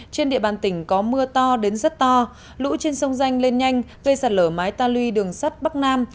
trên địa bàn tỉnh có mưa to đến rất to lũ trên sông danh lên nhanh gây sạt lở mái ta luy đường sắt bắc nam